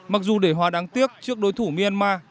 mặc dù để hòa đáng tiếc trước đối thủ myanmar